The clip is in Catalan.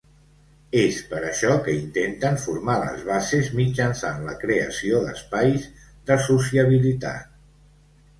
És per això que intenten formar les bases mitjançant la creació d'espais de sociabilitat.